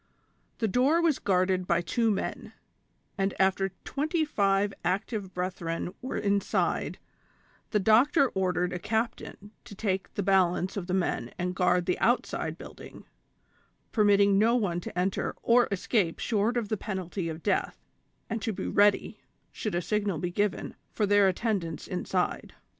This door was guarded by two men, and after twenty five active brethren were inside, the doctor ordered a captain to take the bal ance of the men and guard the outside building, permitting no one to enter or escape short of the penalty of death, and to be ready, should a signal be given, for their attendance inside